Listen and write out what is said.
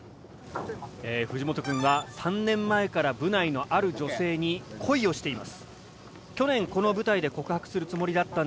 え藤本くんは３年前から部内のある女性に恋をしています。